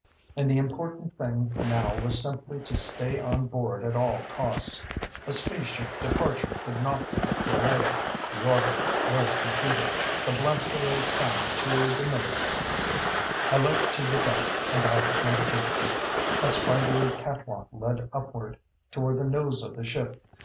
And the important thing now was simply to stay on board at all costs. A space ship departure could not be delayed. The orbit was computed. The blastaway timed to the millisecond.... I leaped to the deck and out of my cubicle. A spidery catwalk led upward, toward the nose of the ship.